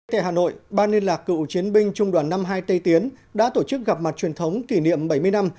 tại hà nội ban liên lạc cựu chiến binh trung đoàn năm mươi hai tây tiến đã tổ chức gặp mặt truyền thống kỷ niệm bảy mươi năm